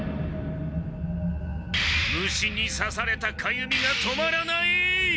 虫にさされたかゆみが止まらない！